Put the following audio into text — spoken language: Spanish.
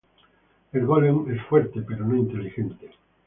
El golem es fuerte, pero no inteligente.